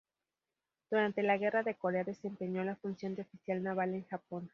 Durante la guerra de Corea desempeñó la función de oficial naval en Japón.